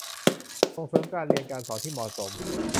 ส่งเสริมการเรียนการสอนที่เหมาะสม